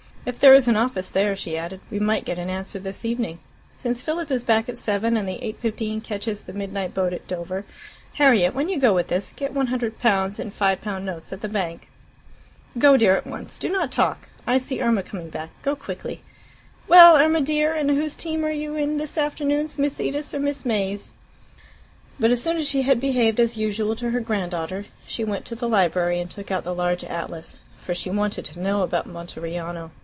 "If there is an office there," she added, "we might get an answer this evening. Since Philip is back at seven, and the eight fifteen catches the midnight boat at Dover Harriet, when you go with this, get 100 pounds in 5 pound notes at the bank." "Go, dear, at once; do not talk. I see Irma coming back; go quickly.... Well, Irma dear, and whose team are you in this afternoon Miss Edith's or Miss May's?" But as soon as she had behaved as usual to her grand daughter, she went to the library and took out the large atlas, for she wanted to know about Monteriano.